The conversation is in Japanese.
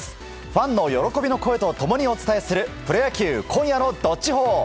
ファンの喜びの声と共にお伝えするプロ野球今夜の「＃どっちほー」。